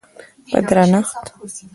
په درنښت